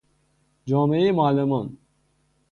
جامعهی معلمان